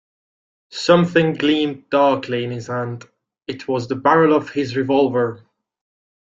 Something gleamed darkly in his hand; it was the barrel of his revolver.